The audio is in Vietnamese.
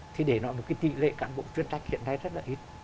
thì để nói một cái tỷ lệ cán bộ chuyên trách hiện nay rất là ít